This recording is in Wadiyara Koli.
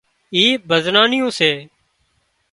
اي ڀزنان نيون سي